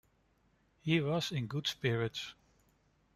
He was in good spirits.